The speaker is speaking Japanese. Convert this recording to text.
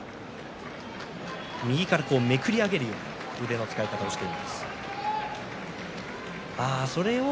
右からめくり上げるような使い方をしました。